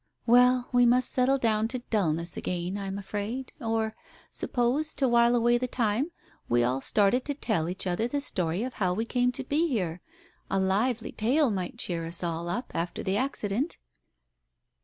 ... Well, we must settle down to dulness again, I am afraid, or, suppose, to while away the time we all started to tell each other the story of how we came to be here? A lively tale might cheer us all up, after the accident."